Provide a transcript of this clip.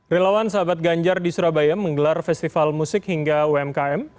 relawan sahabat ganjar di surabaya menggelar festival musik hingga umkm